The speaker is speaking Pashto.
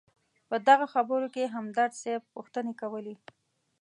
په دغه خبرو کې همدرد صیب پوښتنې کولې.